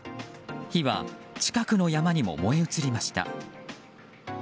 火は近くの山にも燃え移りました。